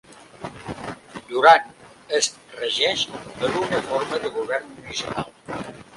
Durant es regeix per una forma de govern municipal.